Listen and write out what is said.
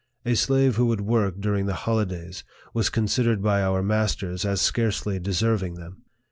A slave who would work during the holidays was considered by our masters as scarcely deserving them.